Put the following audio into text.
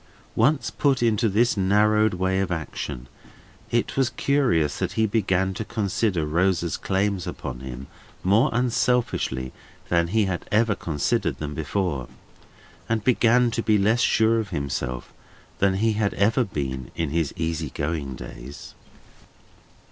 Once put into this narrowed way of action, it was curious that he began to consider Rosa's claims upon him more unselfishly than he had ever considered them before, and began to be less sure of himself than he had ever been in all his easy going days.